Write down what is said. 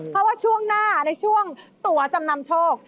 เพราะว่าช่วงหน้าในช่วงตัวจำนำโชค